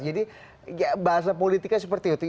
jadi bahasa politiknya seperti itu